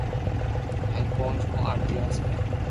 ھين پونچ مون آٺ ڪلاس ۾